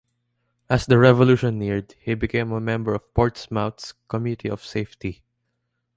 As the Revolution neared, he became a member of Portsmouth's Committee of Safety.